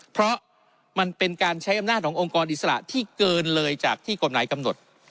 เพราะมันเป็นการใช้อำนาจขององค์กรอิสระที่เกินเลยจากที่กฎหมายกำหนด